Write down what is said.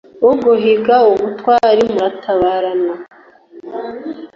Uguhiga ubutwari muratabarana.